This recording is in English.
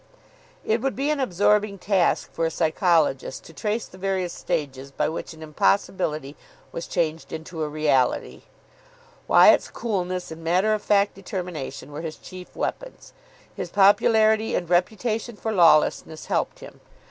It would be an absorbing task for a psychologist to trace the various stages by which an impossibility was changed into a reality. Wyatt's coolness and matter of fact determination were his chief weapons. His popularity and reputation for lawlessness helped him.